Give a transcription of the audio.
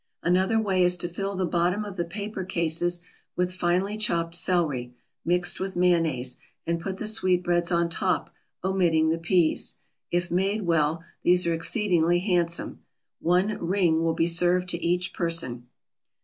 Another way is to fill the bottom of the paper cases with finely chopped celery, mixed with mayonnaise, and put the sweetbreads on top, omitting the peas. If made well, these are exceedingly handsome. One "ring" will be served to each person.